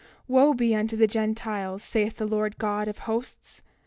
28:32 Wo be unto the Gentiles, saith the Lord God of Hosts!